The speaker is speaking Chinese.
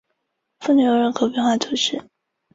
十七世纪后来到的多是葡萄牙人带来的奴隶。